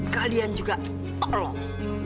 kalian juga tolong